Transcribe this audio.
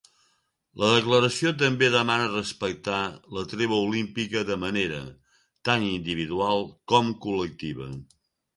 La declaració també demana respectar la treva olímpica de manera tant individual com col·lectiva.